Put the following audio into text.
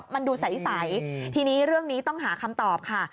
มันดูใสทีนี้เรื่องนี้ต้องหาคำตอบค่ะ